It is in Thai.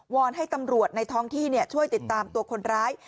อนให้ตำรวจในท้องที่ช่วยติดตามตัวคนร้าย